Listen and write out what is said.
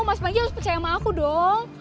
mas panji harus percaya sama aku dong